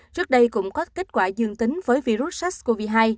trước đây cũng có kết quả dương tính với virus sars cov hai